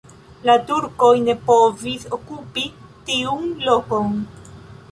La turkoj ne povis okupi tiun lokon.